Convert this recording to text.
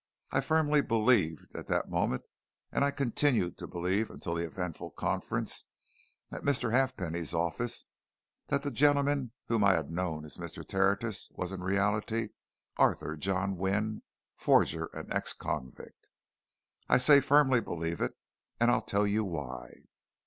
I firmly believed at that moment, and I continued to believe until the eventful conference at Mr. Halfpenny's office, that the gentleman whom I had known as Mr. Tertius was in reality Arthur John Wynne, forger and ex convict. I say I firmly believed it, and I'll tell you why.